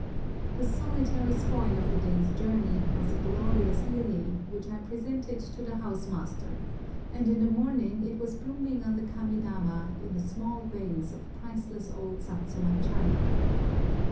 The solitary spoil of the day's journey was a glorious lily, which I presented to the house master, and in the morning it was blooming on the kami dana in a small vase of priceless old Satsuma china.